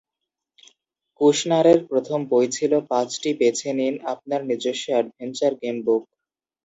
কুশনারের প্রথম বই ছিল পাঁচটি বেছে নিন আপনার নিজস্ব অ্যাডভেঞ্চার গেমবুক।